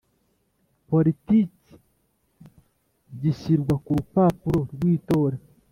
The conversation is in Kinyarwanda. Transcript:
Politiki Gishyirwa Ku Rupapuro Rw Itora